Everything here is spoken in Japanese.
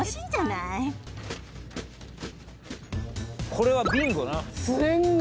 これはビンゴな。